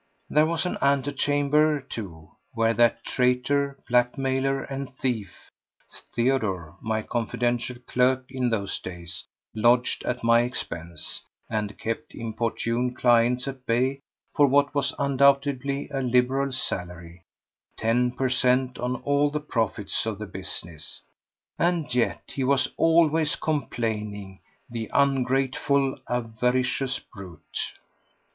There was an antechamber, too, where that traitor, blackmailer and thief, Theodore, my confidential clerk in those days, lodged at my expense and kept importunate clients at bay for what was undoubtedly a liberal salary—ten per cent, on all the profits of the business—and yet he was always complaining, the ungrateful, avaricious brute!